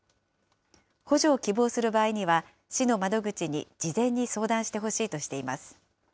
補助を希望する場合には、市の窓口に事前に相談してほしいとしています。